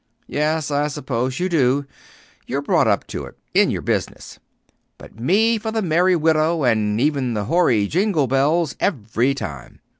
"Yes, I suppose you do. You're brought up on it in your business. But me for the 'Merry Widow' and even the hoary 'Jingle Bells' every time!